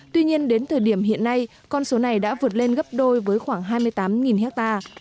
tuy nhiên đến thời điểm hiện nay con số này đã vượt lên gấp đôi với khoảng hai mươi tám hectare